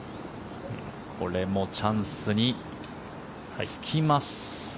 これもチャンスにつきます。